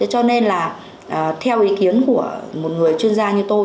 cho nên là theo ý kiến của một người chuyên gia như tôi